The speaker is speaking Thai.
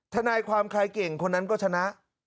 ทนายความใครเก่งคนนั้นก็ชนะ